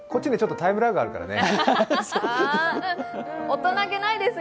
タイムラグがあるからね。